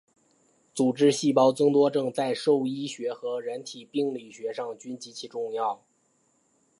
组织细胞增多症在兽医学和人体病理学上均极其重要。